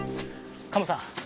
カモさん。